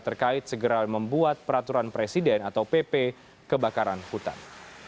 terkait segera membuat peraturan presiden atau pp kebakaran hutan